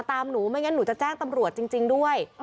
หนูไม่งั้นหนูจะแจ้งตำรวจจริงด้วย